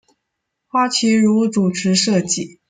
花琦如主持设计。